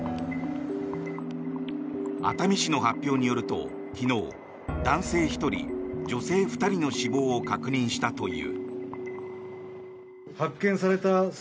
熱海市の発表によると昨日男性１人、女性２人の死亡を確認したという。